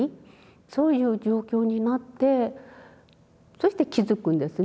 そういう状況になってそして気付くんですね。